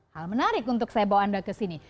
hal menarik untuk saya bawa anda ke sini